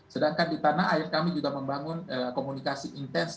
sedangkan di tanah air kami juga membangun komunikasi intens